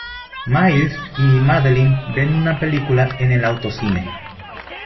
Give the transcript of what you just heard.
Miles y Madeline ven una película en el autocine.